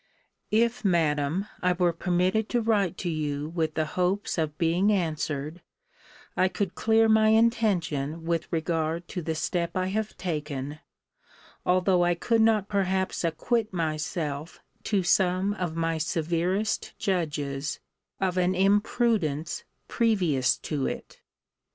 If, Madam, I were permitted to write to you with the hopes of being answered, I could clear my intention with regard to the step I have taken, although I could not perhaps acquit myself to some of my severest judges, of an imprudence previous to it.